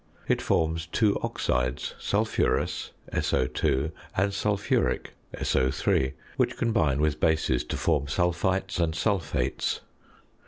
It forms two oxides, sulphurous (SO_) and sulphuric (SO_), which combine with bases to form sulphites and sulphates.